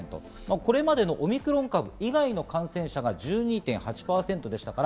これまでのオミクロン株以外の感染者が１２．８％でしたから。